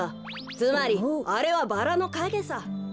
つまりあれはバラのかげさ。